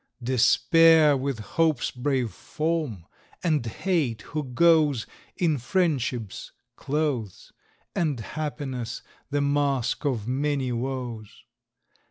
Despair, with Hope's brave form; and Hate, who goes In Friendship's clothes; And Happiness, the mask of many woes.